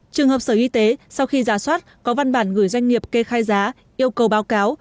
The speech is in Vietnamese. trường hợp sở y tế sau khi giả soát có văn bản gửi doanh nghiệp kê khai giá yêu cầu báo cáo